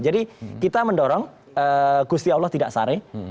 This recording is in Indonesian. jadi kita mendorong gusti allah tidak sari